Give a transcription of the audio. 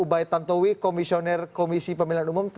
ubaid tantowi komisioner komisi pemilihan umum